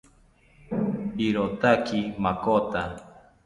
Irotaki makota